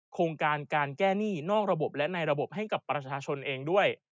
โครงการการแก้หนี้นอกระบบและในระบบให้กับประชาชนเองด้วย